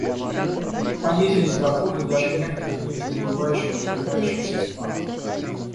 Понизились доходы даже некоторых нефтедобывающих развивающихся стран.